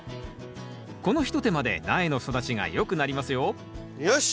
この一手間で苗の育ちがよくなりますよよし！